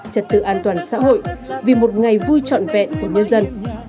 trật tự an toàn xã hội vì một ngày vui trọn vẹn của nhân dân